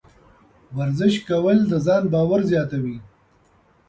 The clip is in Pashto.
ورزش کول د ځان باور زیاتوي.